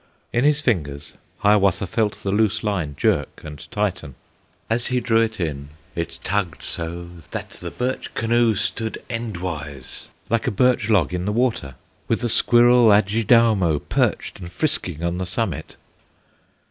In his fingers Hiawatha Felt the loose line jerk and tighten, As he drew it in, it tugged so That the birch canoe stood endwise, Like a birch log in the water, With the squirrel, Adjidaumo, Perched and frisking on the summit.